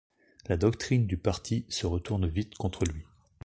La doctrine du Parti se retourne vite contre lui.